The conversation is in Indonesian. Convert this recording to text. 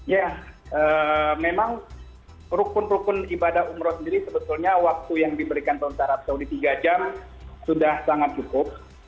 ya memang rukun rukun ibadah umroh sendiri sebetulnya waktu yang diberikan pemerintah arab saudi tiga jam sudah sangat cukup